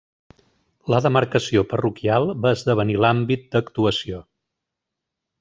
La demarcació parroquial va esdevenir l'àmbit d'actuació.